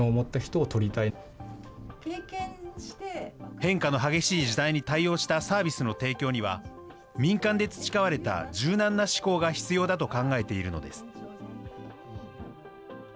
変化の激しい時代に対応したサービスの提供には、民間で培われた柔軟な思考が必要だと考えているのです。